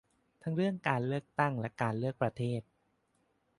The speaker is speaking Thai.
ทั้งเรื่องการเลือกตั้งและการเลือกประเทศ